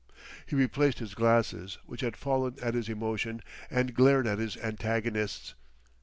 He replaced his glasses, which had fallen at his emotion, and glared at his antagonists.